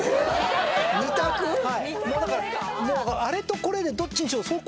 ⁉あれとこれでどっちにしよう？